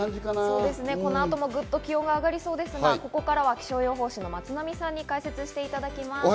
この後もぐっと気温が上がりそうですが、ここからは気象予報士の松並さんに解説していただきます。